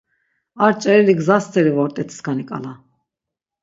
Ar ç̌ereli gzas steri vort̆it skani k̆ala.